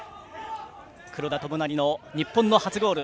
黒田智成の日本の初ゴール。